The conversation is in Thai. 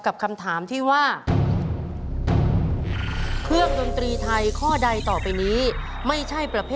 กับคำถามที่ว่า